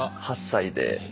８歳で。